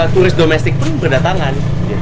turis domestik itu berdatangan